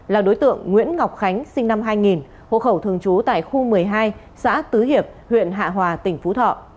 là đối tượng nguyễn ngọc khánh sinh năm hai nghìn hộ khẩu thường trú tại khu một mươi hai xã tứ hiệp huyện hạ hòa tỉnh phú thọ